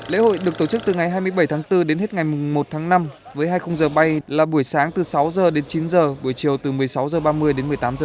lễ hội được tổ chức từ ngày hai mươi bảy tháng bốn đến hết ngày một tháng năm với hai mươi giờ bay là buổi sáng từ sáu giờ đến chín giờ buổi chiều từ một mươi sáu giờ ba mươi đến một mươi tám giờ ba mươi